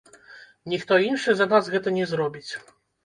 Ніхто іншы за нас гэта не зробіць.